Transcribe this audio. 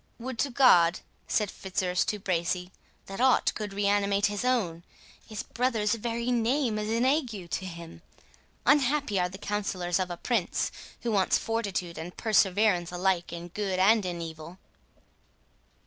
"Would to God," said Fitzurse to De Bracy, "that aught could reanimate his own! His brother's very name is an ague to him. Unhappy are the counsellors of a Prince, who wants fortitude and perseverance alike in good and in evil!"